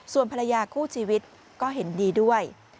ส่วนภรรยาคู่ชีวิตก็เห็นดีด้วย